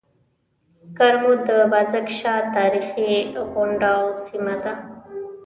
کرمو د بازک شاه تاريخي غونډۍ او سيمه ده.